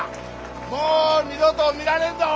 もう二度と見られんぞ！